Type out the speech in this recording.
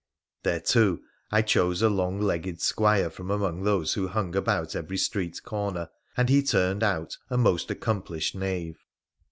There, too, I chose a long legged squire from among those who hung about every street corner, and he turned out a most accomplished knave.